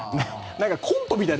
コントみたい。